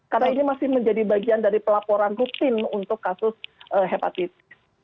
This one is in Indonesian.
karena ini masih menjadi bagian dari pelaporan guktin untuk kasus hepatitis